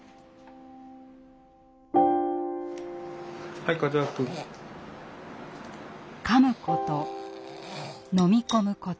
はい和明くん。かむこと飲み込むこと。